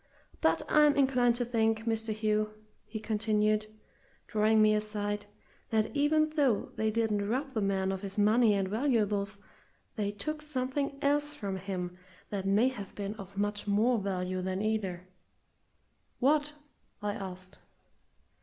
But I'm inclined to think, Mr. Hugh," he continued, drawing me aside, "that even though they didn't rob the man of his money and valuables, they took something else from him that may have been of much more value than either." "What?" I asked.